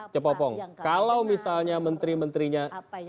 cepopong kalau misalnya menteri menterinya